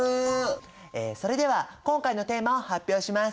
それでは今回のテーマを発表します。